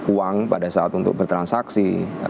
uang pada saat untuk bertransaksi